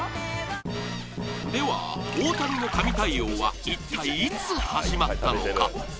では、大谷の神対応は一体いつ始まったのか。